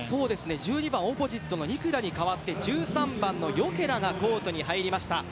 １０番オポジットのニクラに代わって１３番のヨケラがコートに入りました。